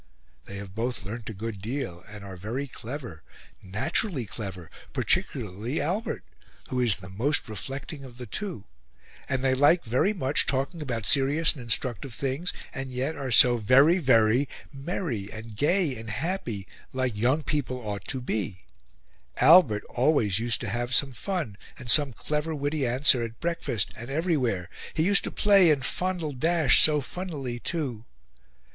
They have both learnt a good deal, and are very clever, naturally clever, particularly Albert, who is the most reflecting of the two, and they like very much talking about serious and instructive things and yet are so VERY VERY merry and gay and happy, like young people ought to be; Albert always used to have some fun and some clever witty answer at breakfast and everywhere; he used to play and fondle Dash so funnily too...